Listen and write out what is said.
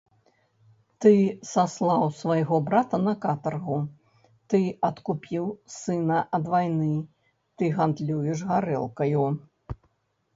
Ты саслаў свайго брата на катаргу, ты адкупіў сына ад вайны, ты гандлюеш гарэлкаю!